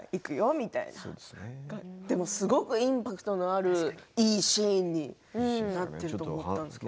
でもインパクトのあるいいシーンになっていると思ったんですけど。